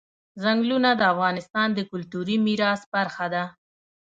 ځنګلونه د افغانستان د کلتوري میراث برخه ده.